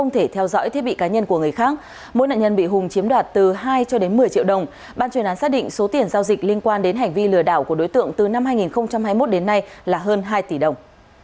tiền giao dịch liên quan đến hành vi lừa đảo của đối tượng từ năm hai nghìn hai mươi một đến nay là hơn hai tỷ đồng